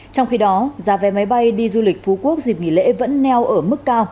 trong khi đó giá vé máy bay đi du lịch phú quốc dịp nghỉ lễ vẫn neo ở mức cao